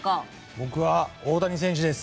僕は大谷選手です。